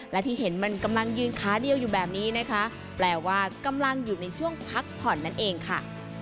และที่เห็นมันกำลังยืนขาเดียวอยู่แบบนี้นะคะแปลว่ากำลังอยู่ในช่วงพักผ่อนนั่นเองค่ะ